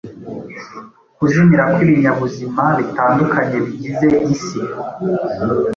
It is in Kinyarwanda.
kuzimira kw’ibinyabuzima bitandukanye bigize isi